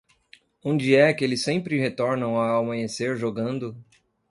Onde é que eles sempre retornam ao amanhecer jogando